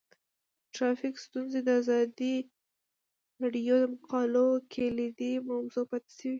ټرافیکي ستونزې د ازادي راډیو د مقالو کلیدي موضوع پاتې شوی.